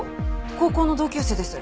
高校の同級生です。